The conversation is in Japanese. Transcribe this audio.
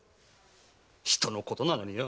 人のことなのによ。